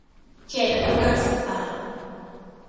เขตอนุรักษ์สัตว์ป่า